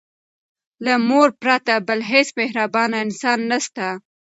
له مور پرته بل هيڅ مهربانه انسان نسته.